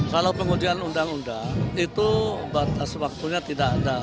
kalau pengujian undang undang itu batas waktunya tidak ada